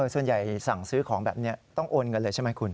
สั่งซื้อของแบบนี้ต้องโอนเงินเลยใช่ไหมคุณ